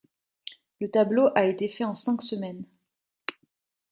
Le tableau a été fait en cinq semaines.